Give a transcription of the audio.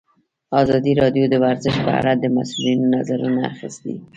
ازادي راډیو د ورزش په اړه د مسؤلینو نظرونه اخیستي.